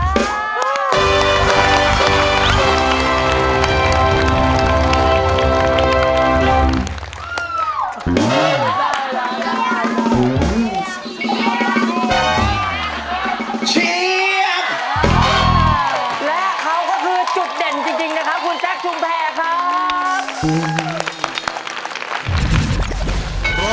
เชียร์และเขาก็คือจุดเด่นจริงนะครับคุณแจ๊คชุมแพรครับ